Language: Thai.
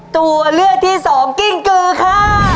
ตัวเลือกที่สองกิ้งกือค่ะ